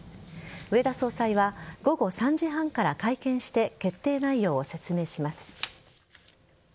植田総裁は午後３時半から会見して決定内容を説明します。